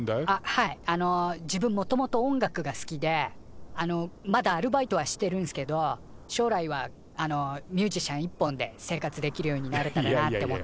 あっはいあの自分もともと音楽が好きであのまだアルバイトはしてるんすけど将来はあのミュージシャン一本で生活できるようになれたらなって。